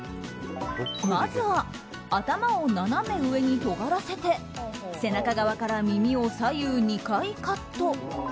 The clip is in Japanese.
まずは頭を斜め上にとがらせて背中側から耳を左右２回カット。